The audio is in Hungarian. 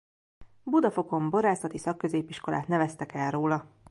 Budafokon borászati szakközépiskolát neveztek el róla.